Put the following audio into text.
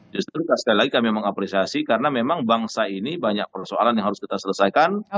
justru sekali lagi kami mengapresiasi karena memang bangsa ini banyak persoalan yang harus kita selesaikan